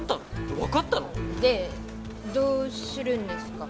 でどうするんですか？